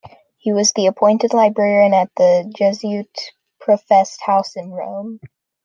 He was then appointed librarian at the Jesuit professed house in Rome.